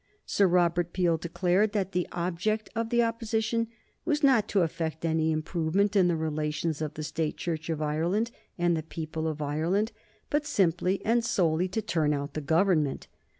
Sir Robert Peel declared that the object of the Opposition was not to effect any improvement in the relations of the State Church of Ireland and the people of Ireland, but simply and solely to turn out the Government.